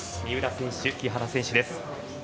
三浦選手、木原選手です。